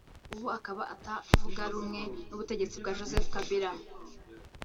ubu akaba atavuga rumwe n’ubutegetsi bwa Joseph Kabila